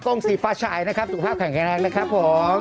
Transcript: กรวมสีฟ้าชายนะครับตรูภาพแขมงแรงเลยครับ